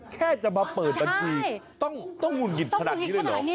แค่มาแลกจะปัญชีต้องหุ่นหยิดแบบนี้ด้วยหรือนี้